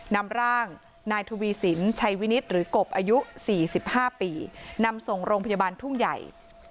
นำร่างนายทวีสินชัยวินิตหรือกบอายุ๔๕ปีนำส่งโรงพยาบาลทุ่งใหญ่